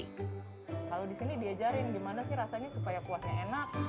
kalau disini diajarin gimana sih rasanya supaya kuasnya enak